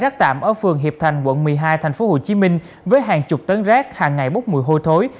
thành quận một mươi hai tp hcm với hàng chục tấn rác hàng ngày bốc mùi hôi thối